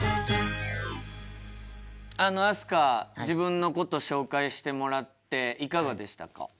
自分のこと紹介してもらっていかがでしたか？